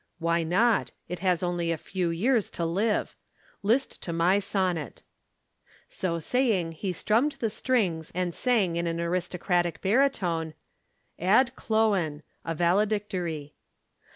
"Why not? It has only a few years to live. List to my sonnet." So saying, he strummed the strings and sang in an aristocratic baritone: AD CHLOEN. A VALEDICTORY.